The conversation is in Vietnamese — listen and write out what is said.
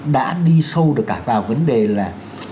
đã đi sâu được cả vào vấn đề là